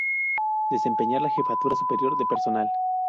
Desempeñar la Jefatura Superior de personal.